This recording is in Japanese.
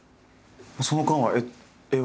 その間は絵は？